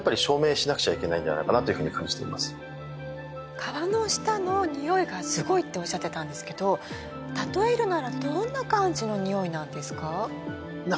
川の下のにおいがすごいっておっしゃってたんですけど例えるなら、どんな感じのにおいなんですか？